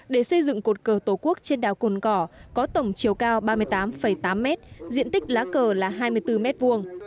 để xây dựng cột cờ tổ quốc trên đảo cồn cỏ có tổng chiều cao ba mươi tám tám mét diện tích lá cờ là hai mươi bốn m hai